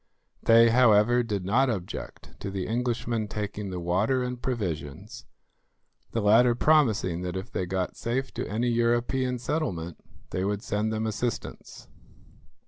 They, however, did not object to the Englishmen taking the water and provisions, the latter promising that if they got safe to any European settlement they would send them assistance.